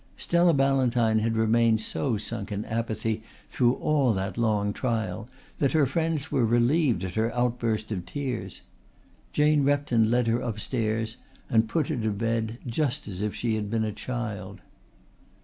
Stella Ballantyne had remained so sunk in apathy through all that long trial that her friends were relieved at her outburst of tears. Jane Repton led her upstairs and put her to bed just as if she had been a child.